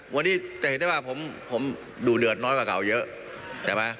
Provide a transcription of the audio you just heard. วันนี้จะเห็นได้ว่าผมดูเดือดน้อยกว่าเก่าเยอะใช่ไหม